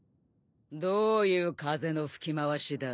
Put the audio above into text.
どういう風の吹き回しだ。